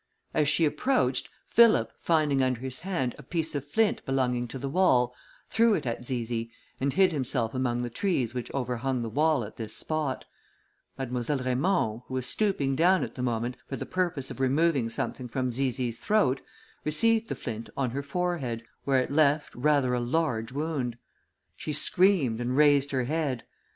As she approached, Philip, finding under his hand a piece of flint belonging to the wall, threw it at Zizi, and hid himself among the trees which overhung the wall at this spot: Mademoiselle Raymond, who was stooping down at the moment for the purpose of removing something from Zizi's throat, received the flint on her forehead, where it left rather a large wound. She screamed, and raised her head.